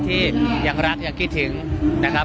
ที่ยังรักยังคิดถึงนะครับ